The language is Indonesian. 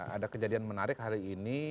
ada kejadian menarik hari ini